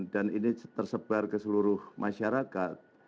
dan ini tersebar ke seluruh masyarakat